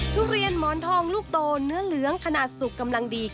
ทุเรียนหมอนทองลูกโตเนื้อเหลืองขนาดสุกกำลังดี